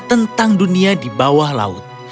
tentang dunia di bawah laut